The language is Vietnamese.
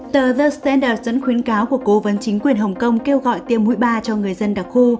tờ w standers dẫn khuyến cáo của cố vấn chính quyền hồng kông kêu gọi tiêm mũi ba cho người dân đặc khu